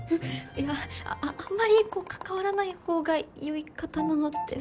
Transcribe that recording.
いやああんまりこう関わらない方がよい方なのでは。